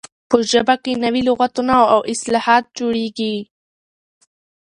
په ژبه کښي نوي لغاتونه او اصطلاحات جوړیږي.